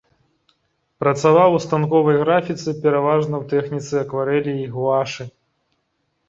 Працаваў у станковай графіцы пераважна ў тэхніцы акварэлі і гуашы.